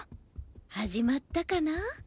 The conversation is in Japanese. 始まったかな？